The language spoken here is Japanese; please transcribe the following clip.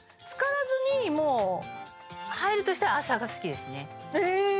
つからずにもう入るとしたら朝が好きですねへえ！